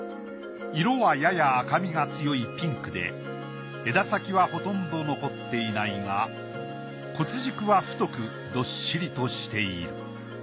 色はやや赤みが強いピンクで枝先はほとんど残っていないが骨軸は太くどっしりとしている。